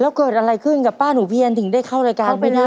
แล้วเกิดอะไรขึ้นกับป้าหนูเพียนถึงได้เข้ารายการไปนะ